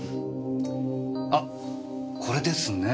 あっこれですね。